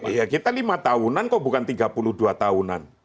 iya kita lima tahunan kok bukan tiga puluh dua tahunan